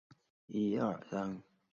蒙图利厄圣贝尔纳尔。